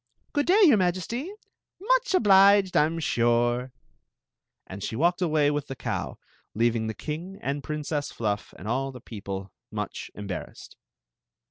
"Good day, your Majesty* Much obliged, I 'm sure!" Aad she walked away wt^ die €@w, leaivuig the king smd WTmeem Fluff and adl ^e people much osbarrassed.